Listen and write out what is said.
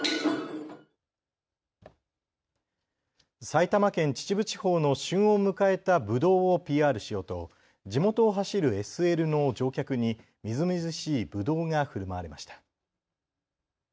埼玉県秩父地方の旬を迎えたぶどうをＰＲしようと地元を走るＳＬの乗客にみずみずしいぶどうがふるまわれました。